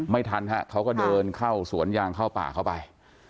ไม่ทันฮะเขาก็เดินเข้าสวนยางเข้าป่าเข้าไป